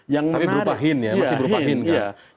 tapi berupa hint ya masih berupa hint kan